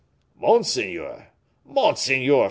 "Monseigneur! monseigneur!